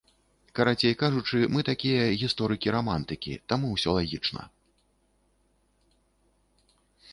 Карацей кажучы, мы такія гісторыкі-рамантыкі, таму ўсё лагічна.